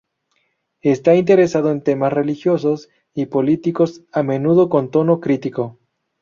Está interesado en temas religiosos y políticos, a menudo con tono crítico.